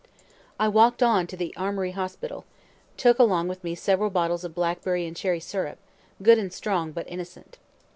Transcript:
I walk'd on to Armory hospital took along with me several bottles of blackberry and cherry syrup, good and strong, but innocent.